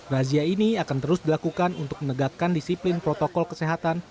razia ini akan terus dilakukan untuk menegakkan disiplin protokol kesehatan